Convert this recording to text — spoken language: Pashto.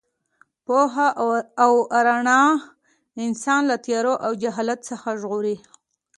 پوهه او رڼا انسان له تیارو او جهالت څخه ژغوري.